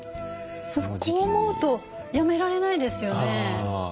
こう思うとやめられないですよね。